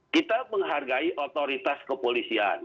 kita menghargai otoritas kepolisian